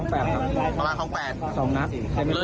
ประมาณครอง๘สองนัด